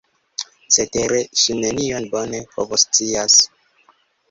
Cetere ŝi nenion bone povoscias.